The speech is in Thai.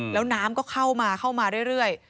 แล้วน้ำก็เข้ามาเรื่อย